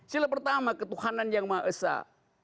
sila pertama ketuhanan yang ma'esah